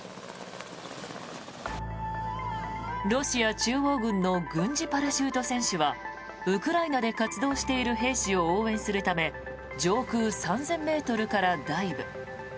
ロシア中央軍の軍事パラシュート選手はウクライナで活動している兵士を応援するため上空３０００ｍからダイブ。